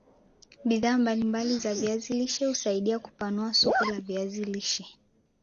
Bidhaa mbalimbali za viazi lishe husaidia kupanua soko la viazi lishe